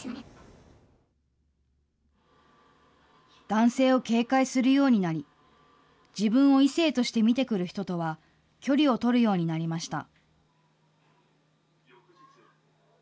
男性を警戒するようになり、自分を異性として見てくる人とは距離を取るようになりました。